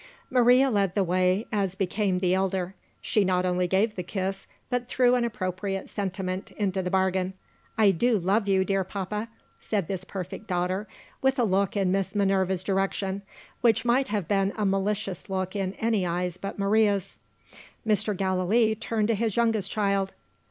Maria led the way, as became the elder. She not only gave the kiss, but threw an appropriate sentiment into the bargain. "I do love you, dear papa!" said this perfect daughter with a look in Miss Minerva's direction, which might have been a malicious look in any eyes but Maria's. Mr. Gallilee turned to his youngest child.